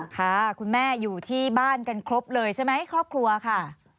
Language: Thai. ค่ะคุณแม่อยู่ที่บ้านกันครบเลยใช่ไหมครอบครัวค่ะ